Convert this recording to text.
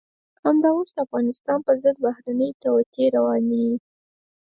همدا اوس د افغانستان په ضد بهرنۍ توطئې روانې دي.